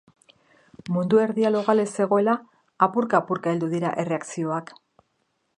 Mundu erdia logale zegoela, apurka-apurka heldu dira erreakzioak.